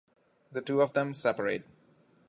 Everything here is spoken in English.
The two of them separate.